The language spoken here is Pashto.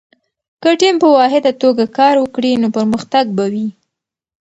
که ټیم په واحده توګه کار وکړي، نو پرمختګ به وي.